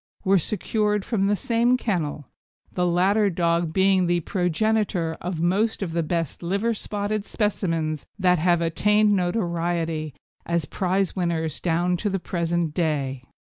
were secured from the same kennel, the latter dog being the progenitor of most of the best liver spotted specimens that have attained notoriety as prize winners down to the present day.